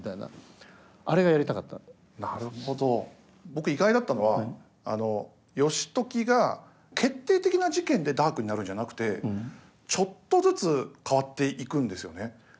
僕意外だったのは義時が決定的な事件でダークになるんじゃなくてちょっとずつ変わっていくんですよね。